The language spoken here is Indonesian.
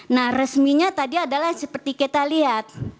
nah resminya tadi adalah seperti kita lihat